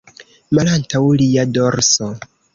Malantaŭ lia dorso.